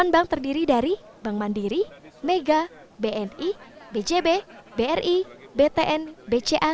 bank terdiri dari bank mandiri mega bni bjb bri btn bca